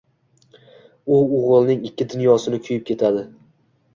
U o‘g‘ilning ikki dunyosi kuyib ketadi.